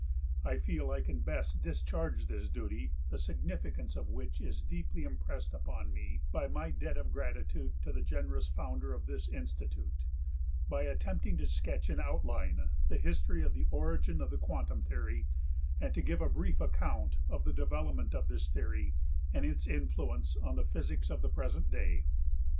I feel I can best discharge this duty, the significance of which is deeply impressed upon me by my debt of gratitude to the generous founder of this Institute, by attempting to sketch in outline the history of the origin of the Quantum Theory and to give a brief account of the development of this theory and its influence on the Physics of the present day.